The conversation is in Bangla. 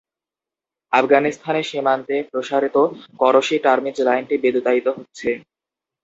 আফগানিস্তানে সীমান্তে প্রসারিত করশি-টার্মিজ লাইনটি বিদ্যুতায়িত হচ্ছে।